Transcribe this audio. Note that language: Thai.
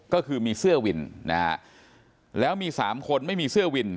ก็คือมีเสื้อวินนะฮะแล้วมีสามคนไม่มีเสื้อวิน